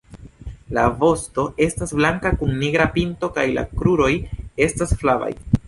La vosto estas blanka kun nigra pinto kaj la kruroj estas flavaj.